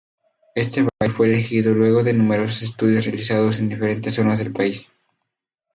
Este valle fue elegido luego de numerosos estudios realizados en diferentes zonas del país.